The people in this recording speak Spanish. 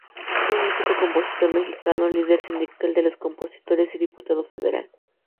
Fue un músico y compositor mexicano, líder sindical de los compositores y Diputado Federal.